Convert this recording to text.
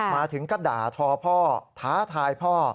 มาถึงก็ด่าทอพ่อท้าทายพ่อ